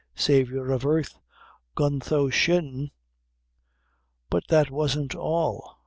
"Savior of earth, gluntho shin!" "But that wasn't all.